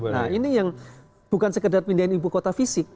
nah ini yang bukan sekedar pindahin ibu kota fisik